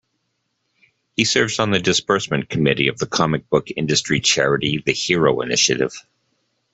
He serves on the Disbursement Committee of the comic-book industry charity The Hero Initiative.